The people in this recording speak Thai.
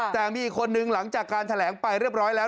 แต่มีอีกคนนึงหลังจากการแถลงไปเรียบร้อยแล้ว